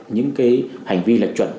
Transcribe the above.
những cái hành vi lệch chuẩn